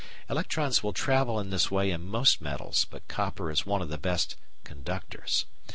Electrons will travel in this way in most metals, but copper is one of the best "conductors."